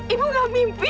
ibu gak mimpi